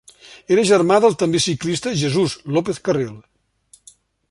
Era germà del també ciclista Jesús López Carril.